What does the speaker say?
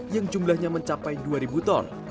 yang jumlahnya mencapai dua ribu ton